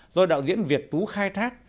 do đạo diễn việt tú khai thác